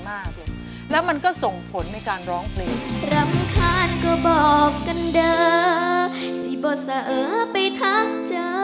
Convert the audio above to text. มากเลยแล้วมันก็ส่งผลในการร้องเพลง